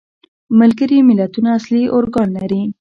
ملګري ملتونه اصلي ارکان لري.